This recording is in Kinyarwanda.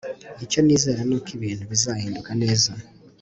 Icyo nizera nuko ibintu bizahinduka neza